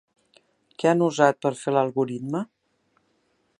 Què han usat per fer l'algoritme?